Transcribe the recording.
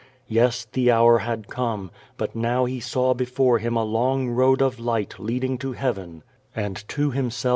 Yes, the hour had come; but now he saw be fore him a long road of light leading to heaven, and to himself QUO VADTS.